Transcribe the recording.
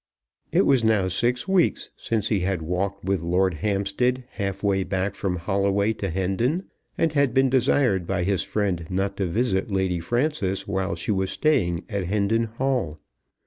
It was now six weeks since he had walked with Lord Hampstead half way back from Holloway to Hendon, and had been desired by his friend not to visit Lady Frances while she was staying at Hendon Hall.